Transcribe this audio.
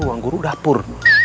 ruang guru dapur